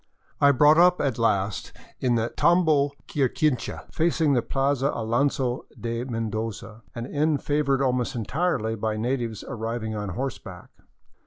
I brought up at last in the " Tambo Quirquincha," facing the Plaza Alonzo de Mendoza, an inn favored almost entirely by natives arriving on horseback.